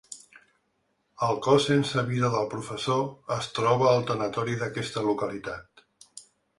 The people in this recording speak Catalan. El cos sense vida del professor es troba al tanatori d’aquesta localitat.